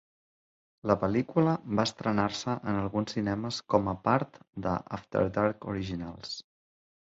La pel·lícula va estrenar-se en alguns cinemes com a part de "After Dark Originals".